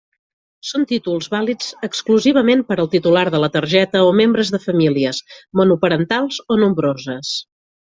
Són títols vàlids exclusivament per al titular de la targeta o membres de famílies monoparentals o nombroses.